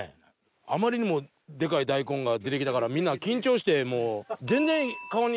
あまりにもデカい大根が出てきたからみんな緊張してもう。